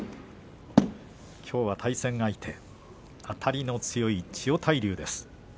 きょうは対戦相手あたりの強い千代大龍です。